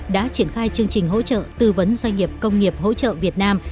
đã triển khai chương trình hỗ trợ tư vấn doanh nghiệp công nghiệp hỗ trợ việt nam